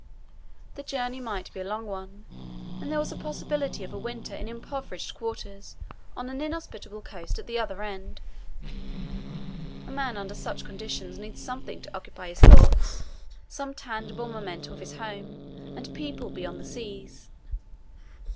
The journey might be a long one, and there was a possibility of a winter in improvised quarters on an inhospitable coast at the other end. A man under such conditions needs something to occupy his thoughts, some tangible memento of his home and people beyond the seas.